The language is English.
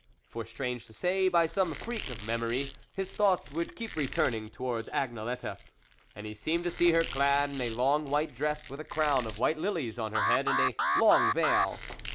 For, strange to say, by some freak of memory, his thoughts would keep returning to wards Agnelette ; and he seemed to see her clad in a long white dress with a crown of white lilies on her head and a long veil.